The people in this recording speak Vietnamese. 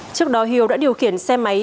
trước đó hiếu đã điều khiển xe máy